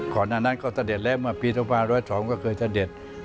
ก่อนหน้านั้นเขาเสด็จแล้วเมื่อปีศพ๑๐๒ก็เคยเสด็จ